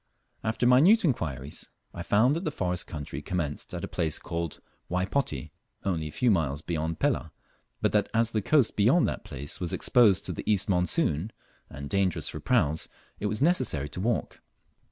After minute inquiries, I found that the forest country commenced at a place called Waypoti, only a few miles beyond Pelah, but that, as the coast beyond that place was exposed to the east monsoon and dangerous for praus, it was necessary to walk.